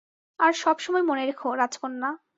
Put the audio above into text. আর সব সময় মনে রেখো, রাজকন্যা।